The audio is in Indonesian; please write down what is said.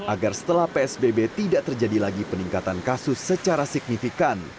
agar setelah psbb tidak terjadi lagi peningkatan kasus secara signifikan